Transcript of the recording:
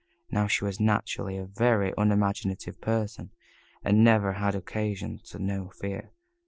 Now she was naturally a very unimaginative person, and had never had occasion to know fear.